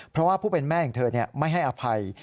เพราะว่าผู้เป็นแม่อย่างเธอเนี่ยไม่ให้อภัย